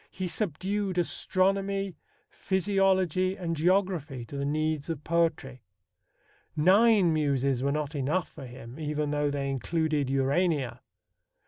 He subdued astronomy, physiology, and geography to the needs of poetry. Nine Muses were not enough for him, even though they included Urania.